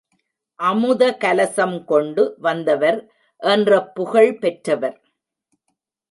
அமுதக்கலசம் கொண்டு வந்தவர் என்ற புகழ் பெற்றவர்.